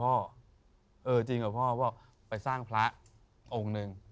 เออจริงหรอว่าไปสร้างพระองค์นึง